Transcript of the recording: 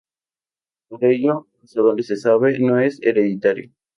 Por ello, hasta donde se sabe, no es hereditario.